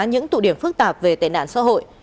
những tụ điểm phức tạp về tệ nạn xã hội